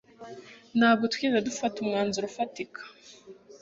Ntabwo twigeze dufata umwanzuro ufatika.